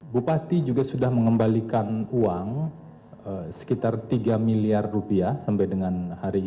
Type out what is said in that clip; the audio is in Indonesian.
bupati juga sudah mengembalikan uang sekitar tiga miliar rupiah sampai dengan hari ini